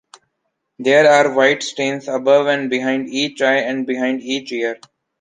There are white stains above and behind each eye and behind each ear.